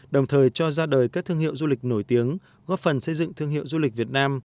đời các thương hiệu du lịch nổi tiếng góp phần xây dựng thương hiệu du lịch việt nam